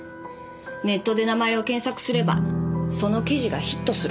ネットで名前を検索すればその記事がヒットする。